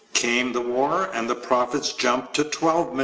Came the war, and the profits jumped to $12,000,000.